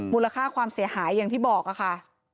มูลค่าความเสียหายอย่างที่บอกค่ะ